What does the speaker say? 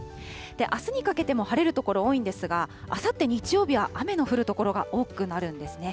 あすにかけても晴れる所、多いんですが、あさって日曜日は雨の降る所が多くなるんですね。